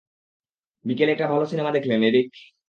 বিকেলে একটা ভালো সিনেমা দেখলেন, এরিক?